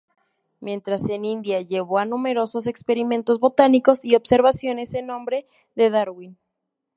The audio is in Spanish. Mientras en India, llevó a numerosos experimentos botánicos y observaciones en nombre de Darwin.